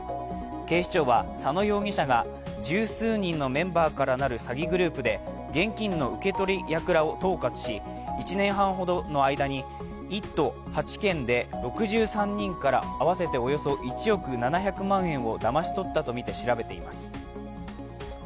警視庁は、佐野容疑者が十数人のメンバーからなる詐欺グループで現金の受け取り役を統括し１年半ほどの間に１都８県で６３人から合わせておよそ１億７００万円をだまし取ったとみて調べています。